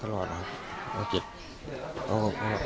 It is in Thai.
ตอนนั้นเขาก็เลยรีบวิ่งออกมาดูตอนนั้นเขาก็เลยรีบวิ่งออกมาดู